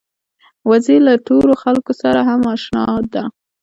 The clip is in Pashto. وزې له تورو خلکو سره هم اشنا ده